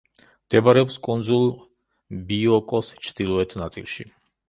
მდებარეობს კუნძულ ბიოკოს ჩრდილოეთ ნაწილში.